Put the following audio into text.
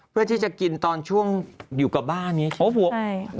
เพื่อที่จะกินตอนช่วงอยู่กับบ้านนี้